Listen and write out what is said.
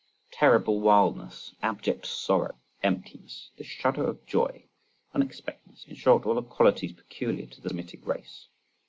Terrible wildness, abject sorrow, emptiness, the shudder of joy, unexpectedness,—in short all the qualities peculiar to the Semitic race!